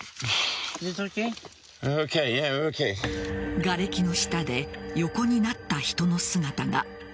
がれきの下で横になった人の姿が。